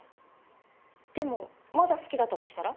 でもまだ好きだったとしたら？